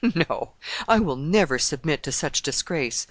No, I will never submit to such disgrace.